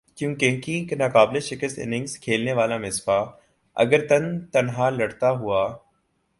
کیونکہکی ناقابل شکست اننگز کھیلنے والا مصباح اگر تن تنہا لڑتا ہوا